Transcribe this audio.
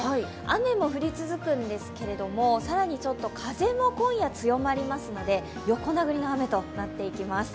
雨も降り続くんですけれども、更に風も今夜、強まりますので横殴りの雨となっていきます。